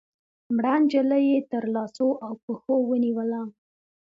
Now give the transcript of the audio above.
مړه نجلۍ يې تر لاسو او پښو ونيوله